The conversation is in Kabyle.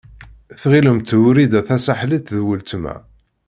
Tɣilemt Wrida Tasaḥlit d weltma.